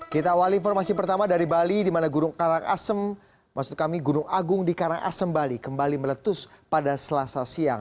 kita awal informasi pertama dari bali di mana gunung agung di karangasem bali kembali meletus pada selasa siang